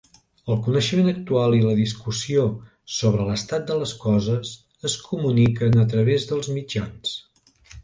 El coneixement actual i la discussió sobre l'estat de les coses es comuniquen a través dels mitjans.